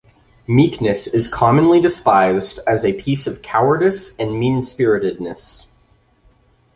Meekness is commonly despised as a piece of cowardice and mean-spiritedness.